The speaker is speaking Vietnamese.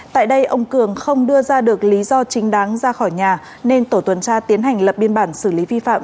tại đây ông cường không đưa ra được lý do chính đáng ra khỏi nhà nên tổ tuần tra tiến hành lập biên bản xử lý vi phạm